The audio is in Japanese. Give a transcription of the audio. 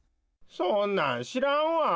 そんなんしらんわ。